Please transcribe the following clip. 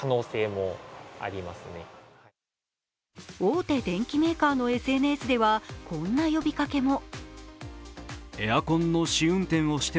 大手電機メーカーのＳＮＳではこんな呼びかけも。